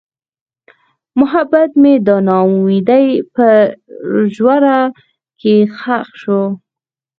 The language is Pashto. محبت مې د نا امیدۍ په ژوره کې ښخ شو.